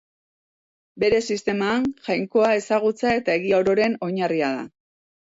Bere sisteman, Jainkoa ezagutza eta egia ororen oinarria da.